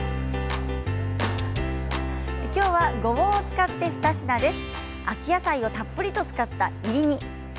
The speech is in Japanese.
きょうはごぼうを使った２品です。